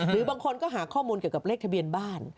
หรือบางคนก็หาข้อมูลเกี่ยวกับเลขทะเบียนบ้าน